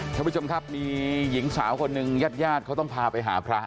ท่านผู้ชมครับมีหญิงสาวคนหนึ่งญาติญาติเขาต้องพาไปหาพระ